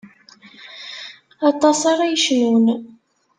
Aṭas ara yecnun.